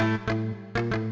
aku harus pergi